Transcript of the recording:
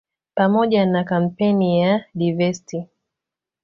Pamoja na kampeni ya "Divest!